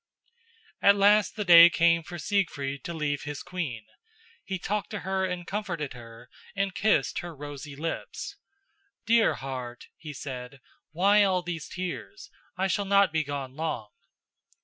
At last the day came for Siegfried to leave his queen. He talked to her and comforted her and kissed her rosy lips. "Dear heart," he said, "why all these tears? I shall not be gone long."